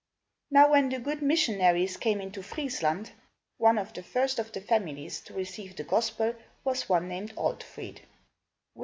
Now when the good missionaries came into Friesland, one of the first of the families to receive the gospel was one named Altfrid.